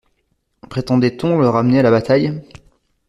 Prétendait-on le ramener à la bataille?